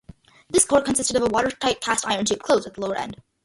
This core consisted of a watertight cast iron tube, closed at the lower end.